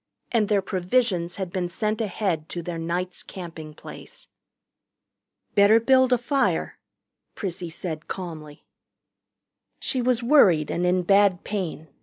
And their provisions had been sent ahead to their night's camping place. "Better build a fire," Prissy said calmly. She was worried and in bad pain.